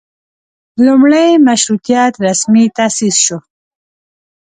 لومړۍ مشروطیت رسمي تاسیس شو.